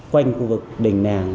quanh khu vực đỉnh nàng